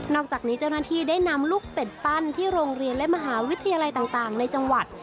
อกจากนี้เจ้าหน้าที่ได้นำลูกเป็ดปั้นที่โรงเรียนและมหาวิทยาลัยต่างในจังหวัด